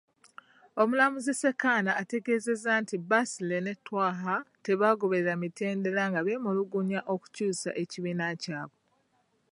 Omulamuzi Ssekaana ategeezezza nti Basile ne Twaha tebagoberera mitendera nga beemulugunya okukyusa ekibiina kyabwe.